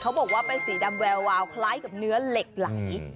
บอกว่าเป็นสีดำแวววาวคล้ายกับเนื้อเหล็กไหล